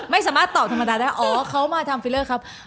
ไทยทำตอบธรรมดาเขามาทำฟิลเลอร์ครับ